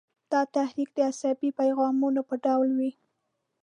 دا تحریک د عصبي پیغامونو په ډول وي.